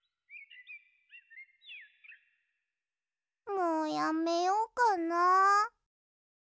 もうやめようかな。